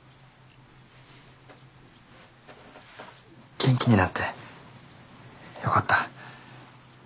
元気になってよかった。